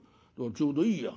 ちょうどいいや。